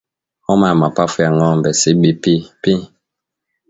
Homa ya Mapafu ya Ng'ombe CBPP